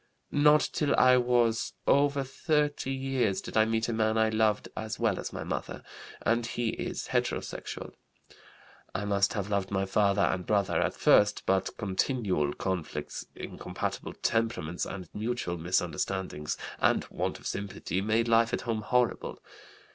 Not till I was over 30 years did I meet a man I loved as well as my mother, and he is heterosexual. I must have loved my father and brother at first, but continual conflicts, incompatible temperaments and mutual misunderstandings and want of sympathy made life at home horrible.